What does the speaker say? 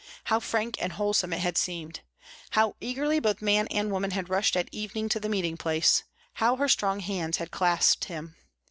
How frank and wholesome it had seemed. How eagerly both man and woman had rushed at evening to the meeting place. How her strong hands had clasped him.